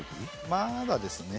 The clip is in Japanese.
まだですね。